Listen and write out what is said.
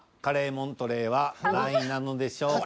モントレーは何位なのでしょうか？